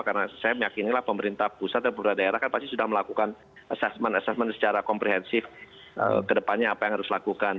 karena saya meyakini lah pemerintah pusat dan pemerintah daerah kan pasti sudah melakukan assessment assessment secara komprehensif ke depannya apa yang harus dilakukan